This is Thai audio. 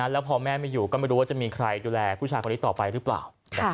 แล้วพอแม่ไม่อยู่ก็ไม่รู้ว่าจะมีใครดูแลผู้ชายคนนี้ต่อไปหรือเปล่า